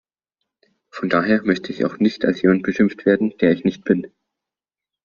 Von daher möchte ich auch nicht als jemand beschimpft werden, der ich nicht bin.